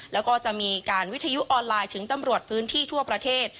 แล้วก็จะมีการวิทยุออนไลน์ถึงตำรวจพื้นที่ทั่วประเทศ